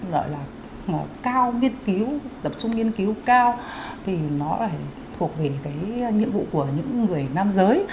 gọi là cao nghiên cứu tập trung nghiên cứu cao thì nó phải thuộc về cái nhiệm vụ của những người nam giới